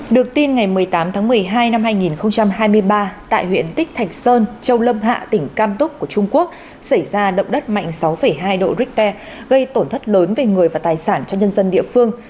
được tin ngày một mươi tám tháng một mươi hai năm hai nghìn hai mươi ba tại huyện tích thạch sơn châu lâm hạ tỉnh cam túc của trung quốc xảy ra động đất mạnh sáu hai độ richter gây tổn thất lớn về người và tài sản cho nhân dân địa phương